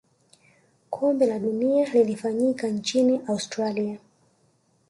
kombe la dunia lilifanyika nchini australia